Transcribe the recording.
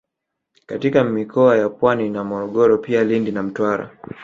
katika mikoa ya Pwani na Morogoro pia Lindi na Mtwara